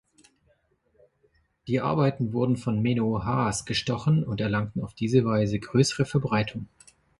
Die Arbeiten wurden von Meno Haas gestochen und erlangten auf diese Weise größere Verbreitung.